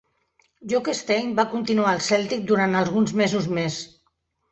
Jock Stein va continuar al Celtic durant alguns mesos més.